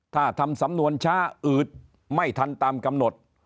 ถ้าทำสำนวนช้าอืดไม่ทันตามกำหนด